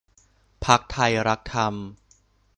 พรรคไทยรักธรรม